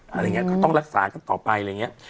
อะไรอย่างนี้ก็ต้องรักษากันต่อไปอะไรอย่างนี้